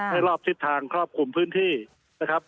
รอบทิศทางครอบคลุมพื้นที่นะครับ